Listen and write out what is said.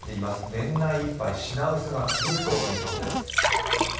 年内いっぱい品薄が続くということです。